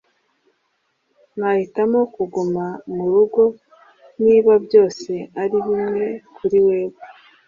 nahitamo kuguma murugo niba byose ari bimwe kuri wewe.